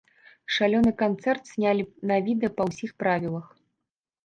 Шалёны канцэрт знялі на відэа па ўсіх правілах!